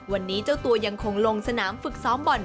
วันนี้เจ้าตัวยังคงลงสนามฝึกซ้อมบ่อน